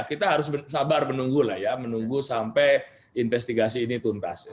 kita harus sabar menunggu lah ya menunggu sampai investigasi ini tuntas